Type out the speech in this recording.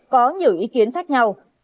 có nhiều ý kiến khác nhau